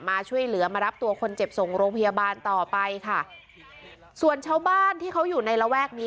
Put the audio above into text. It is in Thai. มาช่วยเหลือมารับตัวคนเจ็บส่งโรงพยาบาลต่อไปค่ะส่วนชาวบ้านที่เขาอยู่ในระแวกนี้